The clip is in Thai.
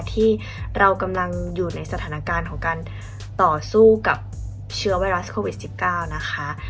ที่เรากำลังอยู่ในสถานการณ์ของการต่อสู้กับเชื้อไวรัสโควิด๑๙นะคะ